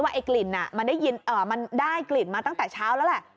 ไอ้กลิ่นมันได้กลิ่นมาตั้งแต่เช้าแล้วแหละ